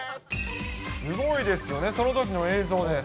すごいですよね、そのときの映像です。